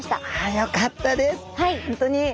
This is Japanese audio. よかったです！